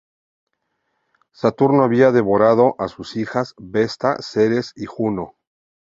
Saturno había devorado a sus hijas, Vesta, Ceres y Juno.